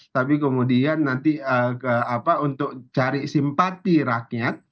tapi kemudian nanti untuk cari simpati rakyat